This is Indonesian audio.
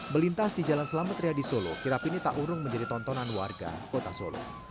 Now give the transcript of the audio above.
melintas di jalan selamat ria di solo kirap ini tak urung menjadi tontonan warga kota solo